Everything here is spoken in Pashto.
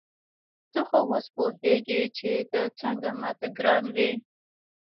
ته خو اوس پوهېږې چې ته څنګه ما ته ګران وې.